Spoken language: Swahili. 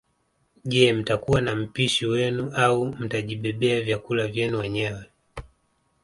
Je mtakuwa na mpishi wenu au mtajibebea vyakula vyenu wenyewe